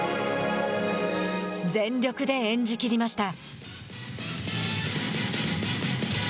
全力で演じきりました。